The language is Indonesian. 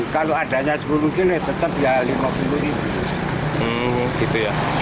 kalau adanya sepuluh kilo tetap ya lima puluh ribu